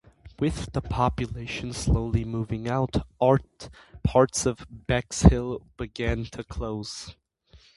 With the population slowly moving out, parts of Bexhill began to close.